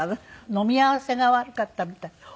飲み合わせが悪かったみたいお薬。